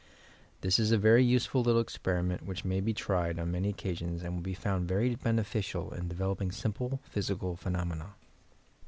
This is a very use ful little experiment which may be tried on many occa sions and will be found very beneficial in developing sim ple physical phenomena.